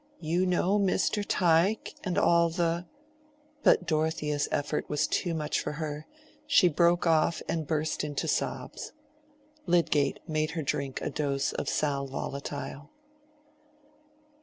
You know Mr. Tyke and all the—" But Dorothea's effort was too much for her; she broke off and burst into sobs. Lydgate made her drink a dose of sal volatile.